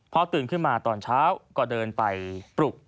พอตื่นขึ้นมาตอนเช้าก็เดินไปปลุก